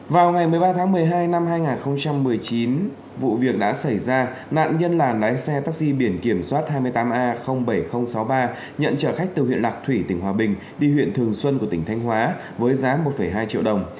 vào ngày một mươi ba tháng một mươi hai năm hai nghìn một mươi chín vụ việc đã xảy ra nạn nhân là lái xe taxi biển kiểm soát hai mươi tám a bảy nghìn sáu mươi ba nhận trở khách từ huyện lạc thủy tỉnh hòa bình đi huyện thường xuân của tỉnh thanh hóa với giá một hai triệu đồng